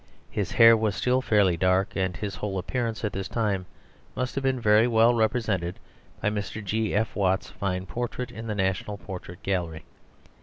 His hair was still fairly dark, and his whole appearance at this time must have been very well represented by Mr. G.F. Watts's fine portrait in the National Portrait Gallery.